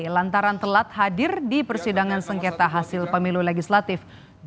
lantaran telat hadir di persidangan sengketa hasil pemilu legislatif